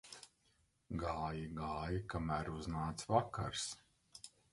Gāja, gāja, kamēr uznāca vakars.